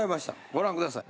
ご覧ください。